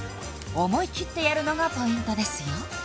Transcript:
思い切ってやるのがポイントですよ